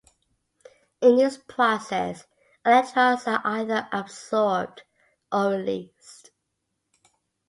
In this process electrons are either absorbed or released.